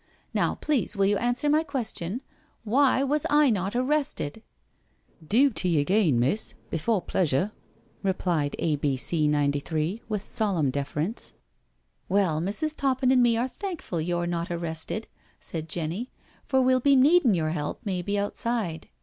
Now please will you answer my question— why was I not arrested?" " Dooty again, miss, before pleasure/' replied A.B.C. 93 with solemn deference. " Well, Mrs. Toppin and me are thankful you're not arrested/' said Jenny, " for we'll be needin' your help maybe outside."